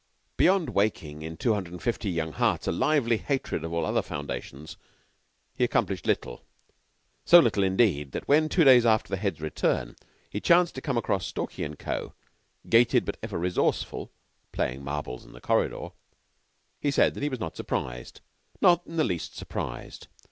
Beyond waking in two hundred and fifty young hearts a lively hatred of all other foundations, he accomplished little so little, indeed, that when, two days after the Head's return, he chanced to come across Stalky & Co., gated but ever resourceful, playing marbles in the corridor, he said that he was not surprised not in the least surprised.